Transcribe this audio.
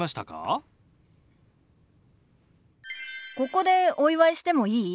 ここでお祝いしてもいい？